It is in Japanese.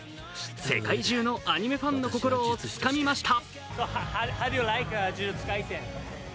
世界中のアニメファンの心をつかみました。